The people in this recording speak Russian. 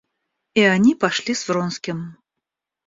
И они пошли с Вронским.